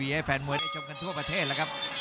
ให้แฟนมวยได้ชมกันทั่วประเทศแล้วครับ